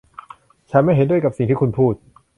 ฉันไม่เห็นด้วยกับสิ่งที่คุณพูด